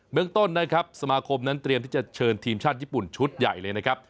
เมืองต้นนะครับสมาคมนั้นเตรียมที่จะเชิญทีมชาติญี่ปุ่นชุดใหญ่เลยนะครับ